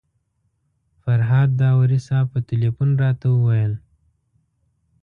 فرهاد داوري صاحب په تیلفون راته وویل.